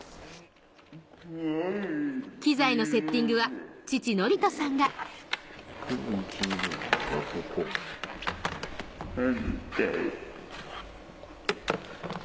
機材のセッティングは父憲人さんがいよいよ開演